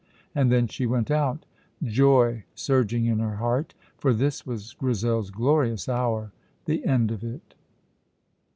And then she went out, joy surging in her heart For this was Grizel's glorious hour, the end of it.